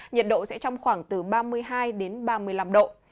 nhiệt độ sẽ trong khoảng từ ba mươi hai đến ba mươi năm độ